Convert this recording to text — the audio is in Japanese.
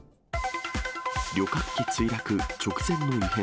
旅客機墜落、直前の異変。